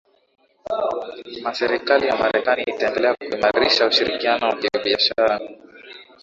ma serikali ya marekani itaendelea kuimarisha ushirikiano wakibiashara